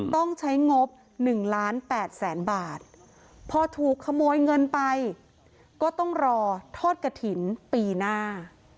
ต้องใช้งบ๑ล้าน๘แสนบาทพอถูกขโมยเงินไปก็ต้องรอทอดกระถิ่นปีหน้า